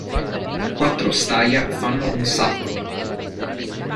Quattro Staia fanno un Sacco.